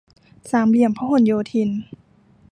สามเหลี่ยมพหลโยธิน